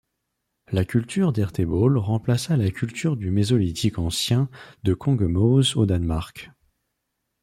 La culture d'Ertebølle remplaça la culture du Mésolithique ancien de Kongemose au Danemark.